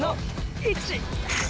１！